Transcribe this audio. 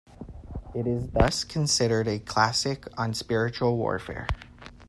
It is thus considered a classic on spiritual warfare.